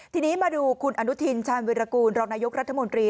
ทีนี้มาดูคุณอนุทินชาญวิรากูลรองนายกรัฐมนตรี